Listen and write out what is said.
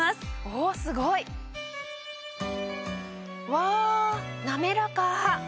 おすごい！わなめらか！